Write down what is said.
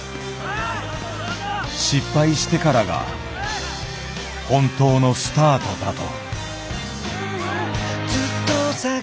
失敗してからが本当のスタートだと。